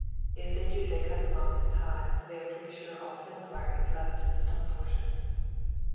If they do they cut them off this high so they are pretty sure all fence wire is left in the stump portion.